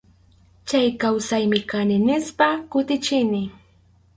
Chay kawsaymi kani, nispa kutichini.